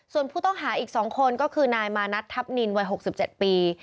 ส่วนผู้ต้องหาอีก๒คนก็คือนายมานัททัพนินวัย๖๗ปี